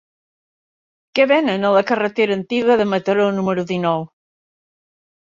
Què venen a la carretera Antiga de Mataró número dinou?